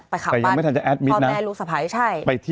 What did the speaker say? ไปขังบ้านพ่อแม่ลูกสะพัย